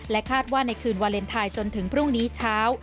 คาดว่าในคืนวาเลนไทยจนถึงพรุ่งนี้เช้า